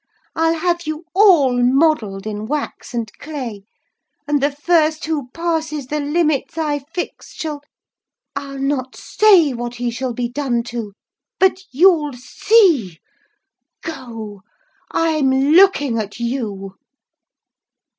I'll have you all modelled in wax and clay! and the first who passes the limits I fix shall—I'll not say what he shall be done to—but, you'll see! Go, I'm looking at you!"